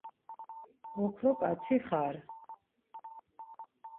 ოქრო კაცი ხარ